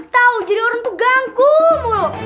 tau jadi orang tuh ganggu mulu